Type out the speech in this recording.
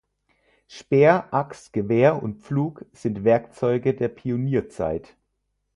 Speer, Axt, Gewehr und Pflug sind Werkzeuge der Pionierzeit.